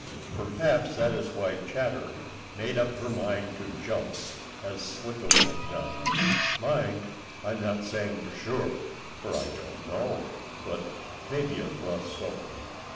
Perhaps that is why Chatter made up her mind to jump as Slicko had done. Mind, I am not saying for sure, for I don't know. But maybe it was so.